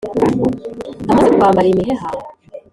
amaze kwambara imiheha